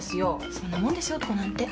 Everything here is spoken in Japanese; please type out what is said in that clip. そんなもんですよ男なんて。